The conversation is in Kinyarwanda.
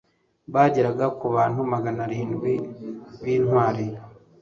bageraga ku bantu magana arindwi b'intwari